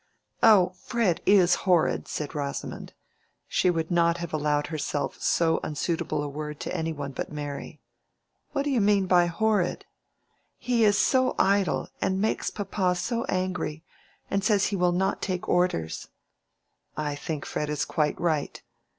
"Oh, Fred is horrid!" said Rosamond. She would not have allowed herself so unsuitable a word to any one but Mary. "What do you mean by horrid?" "He is so idle, and makes papa so angry, and says he will not take orders." "I think Fred is quite right."